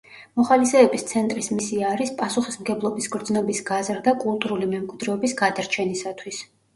მოხალისეების ცენტრის მისია არის პასუხისმგებლობის გრძნობის გაზრდა კულტურული მემკვიდრეობის გადარჩენისათვის.